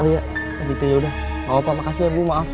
oh iya ya gitu ya udah gapapa makasih ya bu maaf